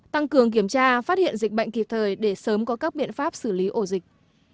tăng cường kiểm tra phát hiện dịch bệnh kịp thời để sớm có các biện pháp xử lý ổ dịch